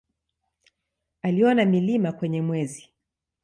Aliona milima kwenye Mwezi.